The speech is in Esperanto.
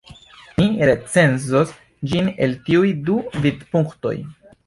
Ni recenzos ĝin el tiuj du vidpunktoj.